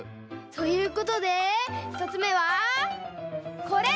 ということでひとつめはこれ！